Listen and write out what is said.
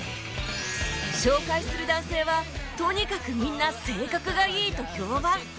紹介する男性はとにかくみんな性格がいいと評判